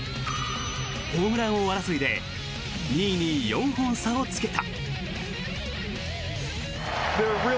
ホームラン王争いで２位に４本差をつけた。